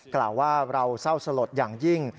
กล่าวว่าเราเศร้าสลดอย่างยิ่ง